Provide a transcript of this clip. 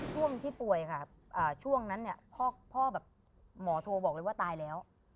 ช่วงที่ป่วยค่ะช่วงนั้นเนี่ยพ่อแบบหมอโทรบอกเลยว่าตายแล้ว